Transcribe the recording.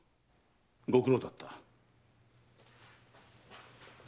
ご苦労だった。